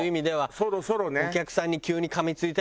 そろそろね。